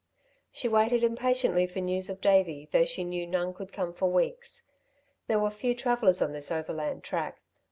She waited impatiently for news of Davey, though she knew none could come for weeks. There were few travellers on this overland track.